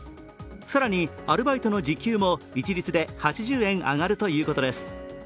更に、アルバイトの時給も一律で８０円上がるということです。